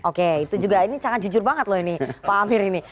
oke itu juga ini sangat jujur banget loh ini pak amir ini